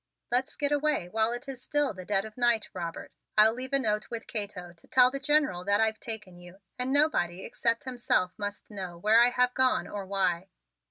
"Let's get away while it is still the dead of night, Robert. I'll leave a note with Cato to tell the General that I've taken you, and nobody except himself must know where I have gone or why.